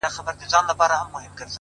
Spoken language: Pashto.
o شېرینو نور له لسټوڼي نه مار باسه،